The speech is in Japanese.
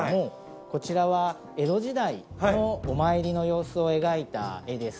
こちらは江戸時代のお参りの様子を描いた絵です。